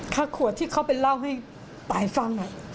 ขวดที่เขาไปเล่าให้ตายฟัง